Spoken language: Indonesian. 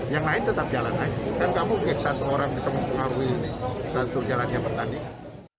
yang lain tetap jalan lain bukan kamu satu orang bisa mempengaruhi satu jalan yang bertandingan